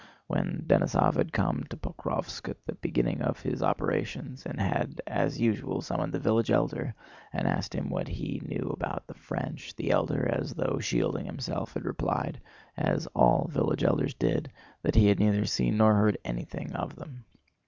When Denísov had come to Pokróvsk at the beginning of his operations and had as usual summoned the village elder and asked him what he knew about the French, the elder, as though shielding himself, had replied, as all village elders did, that he had neither seen nor heard anything of them.